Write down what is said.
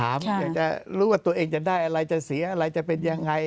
อะไรจะเสียอะไรจะเป็นยังไง